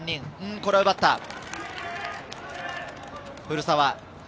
これは奪った古澤。